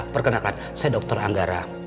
perkenalkan saya dokter anggara